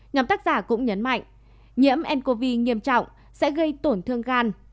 nhóm tác giả cũng nhấn mạnh nhiễm ncov nghiêm trọng sẽ gây tổn thương gan